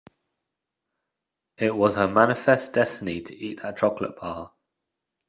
It was her manifest destiny to eat that chocolate bar.